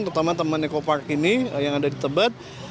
terutama taman nekopark ini yang ada di tepat